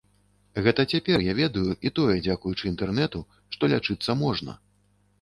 Гэта цяпер я ведаю, і тое, дзякуючы інтэрнэту, што лячыцца можна!